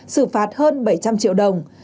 sử phạt hơn bảy trăm linh triệu đồng